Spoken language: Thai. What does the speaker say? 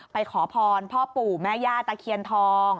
ขอพรพ่อปู่แม่ย่าตะเคียนทอง